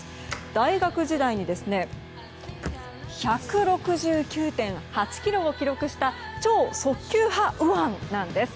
大学時代に１６９．８キロを記録した超速球派右腕なんです。